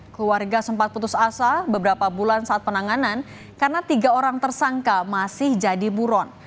keluarga sempat putus asa beberapa bulan saat penanganan karena tiga orang tersangka masih jadi buron